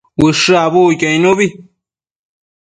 Ushë abucquio icnubi